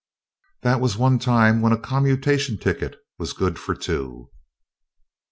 That was one time when a commutation ticket was good for two.